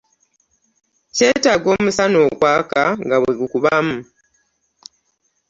Kyetaaga omusana okwaka nga bwe gukubamu.